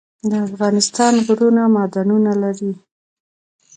د افغانستان غرونه معدنونه لري